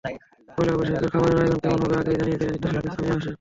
পয়লা বৈশাখে খাবারের আয়োজন কেমন হবে, আগেই জানিয়ে দিলেন নৃত্যশিল্পী সামিনা হোসেন।